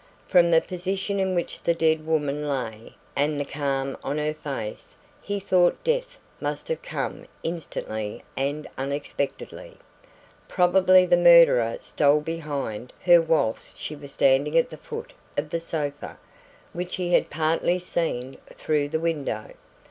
From the position in which the dead woman lay and the calm on her face he thought death must have come instantly and unexpectedly. Probably the murderer stole behind her whilst she was standing at the foot of the sofa which he had partly seen through the window.